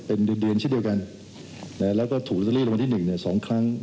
เป็นเดือนชื่อเดียวกันนะฮะแล้วก็ถูรตเตอรี่ละวันที่๑เนี่ย๒ครั้ง